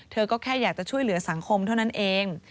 เธอก็แค่อยากจะช่วยเหลือสังคมเท่านั้นเอง